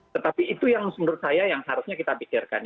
tetapi itu yang menurut saya yang harusnya kita pikirkan